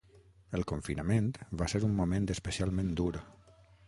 El confinament va ser un moment especialment dur.